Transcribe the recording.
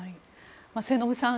末延さん